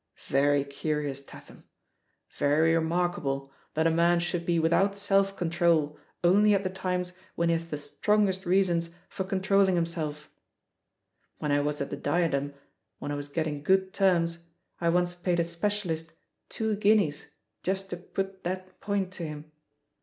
Very curious, Tatham, very remarkable that a man should be without self control only at the times when he has the strongest reasons for con 112 THE POSITION OF PEGGY HARPER trolling himself? When I was at the Diadem» when I was getting good terms, I once paid a specialist two guineas just to put that point to him.